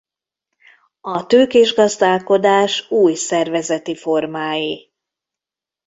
A tőkés gazdálkodás új szervezeti formái.